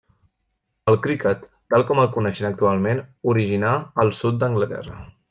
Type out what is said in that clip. El criquet tal com el coneixem actualment originà al sud d'Anglaterra.